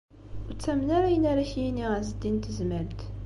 Ur ttamen ara ayen ara ak-yini Ɛezdin n Tezmalt.